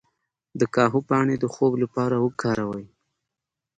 د کاهو پاڼې د خوب لپاره وکاروئ